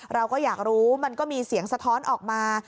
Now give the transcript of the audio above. เราก็อยากรู้มันก็มีเสียงสะท้อนออกมา